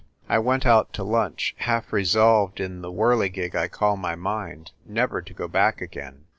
I went out to lunch, half resolved in the whirligig I call my mind never to go back again.